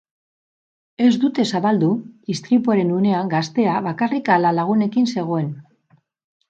Ez dute zabaldu istripuaren unean gaztea bakarrik ala lagunekin zegoen.